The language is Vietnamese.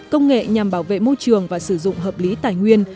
công nghệ nhằm bảo vệ môi trường và sử dụng hợp lý tài nguyên